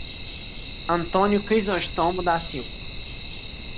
Antônio Crizostomo da Silva